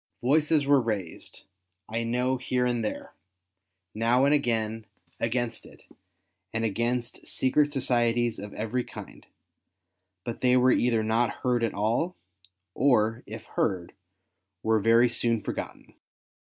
Voices were raised, I know here and there, now and again, against it, and against Secret Societies of every kind ; but they were either not heard at all, or, if heard, were very soon forgotten.